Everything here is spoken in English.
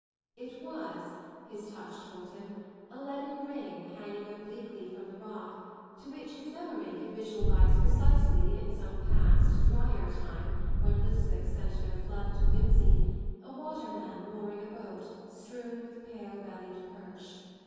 It was, his touch told him, a leaden ring hanging obliquely from the rock, to which his memory could visualise precisely in some past drier time when Lisbech sent no flood to Whimsey, a waterman mooring a boat strewn with pale bellied perch.